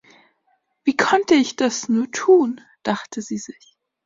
„Wie konnte ich das nur tun?“, dachte sie sich.